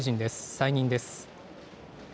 再任です。